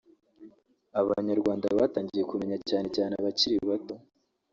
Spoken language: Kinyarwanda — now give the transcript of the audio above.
abanyarwanda batangiye kumenya cyane cyane abakiri bato